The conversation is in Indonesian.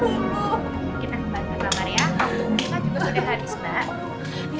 kuenya juga sudah habis mbak